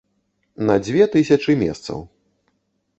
На дзве тысячы месцаў.